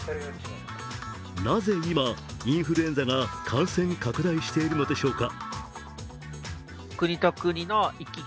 なぜ今、インフルエンザが感染拡大しているんでしょうか。